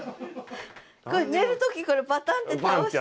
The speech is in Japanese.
寝る時これパタンって倒して。